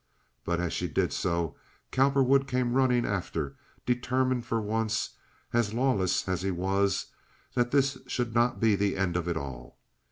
But as she did so Cowperwood came running after, determined for once, as lawless as he was, that this should not be the end of it all.